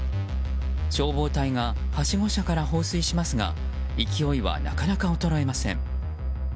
消防隊がはしご車から放水しますが勢いは、なかなか衰えません。